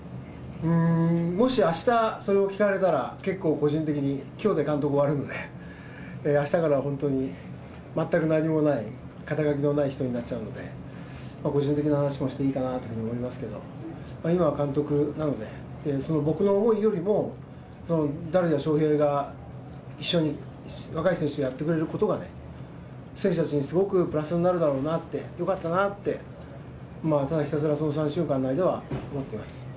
もしあしたそれを聞かれたら、結構、個人的に、きょうで監督終わるので、あしたから本当に全く何もない、肩書のない人になっちゃうので、個人的な話もしていいかなと思いますけど、今は監督なので、その僕の思いよりも、ダルや翔平が一緒に、若い選手とやってくれることがね、選手たちにすごくプラスになるだろうなって、よかったなあって、ただひたすらこの３週間の間は思ってます。